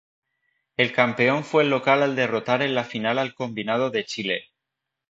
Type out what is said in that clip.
El campeón fue el local al derrotar en la final al combinado de Chile.